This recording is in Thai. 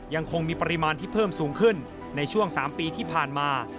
ยังคงมีปริมาณที่เพิ่มสูงขึ้นในช่วง๓ปีที่ผ่านมา